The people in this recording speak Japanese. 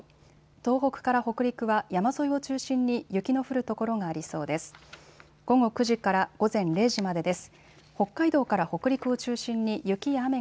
東北から北陸は山沿いを中心に雪の降る所がありそうです。